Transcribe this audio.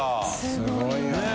すごいよね。